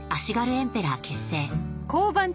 エンペラー結成